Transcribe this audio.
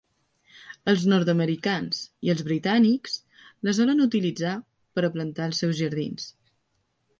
Els nord-americans i els britànics la solen utilitzar per a plantar als seus jardins.